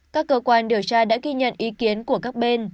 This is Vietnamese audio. các cơ quan điều tra đã ghi nhận ý kiến của các bên